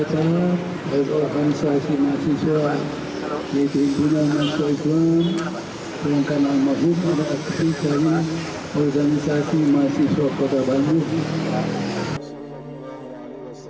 dan organisasi mahasiswa kota bandung